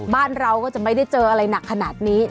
บ้านเราก็จะไม่ได้เจออะไรหนักขนาดนี้